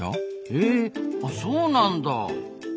へえそうなんだ。